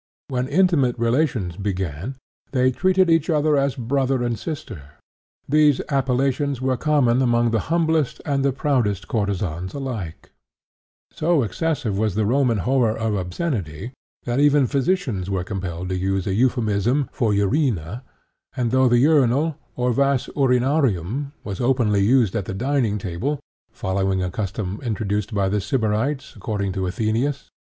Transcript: When intimate relations began, they treated each other as 'brother' and 'sister.' These appellations were common among the humblest and the proudest courtesans alike." (Dufour, Histoire de la Prostitution, vol. ii, p. 78.) So excessive was the Roman horror of obscenity that even physicians were compelled to use a euphemism for urina, and though the urinal or vas urinarium was openly used at the dining table (following a custom introduced by the Sybarites, according to Athenæus, Book XII, cap.